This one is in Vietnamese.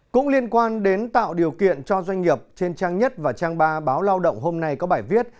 cũng liên quan đến tạo điều kiện cho doanh nghiệp trên trang nhất và trang ba báo lao động hôm nay có bài viết